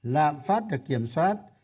lạm phát được kiểm soát